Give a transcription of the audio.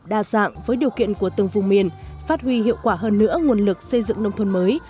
đa dạng với điều kiện của từng vùng miền phát huy hiệu quả hơn nữa nguồn lực xây dựng nông thôn mới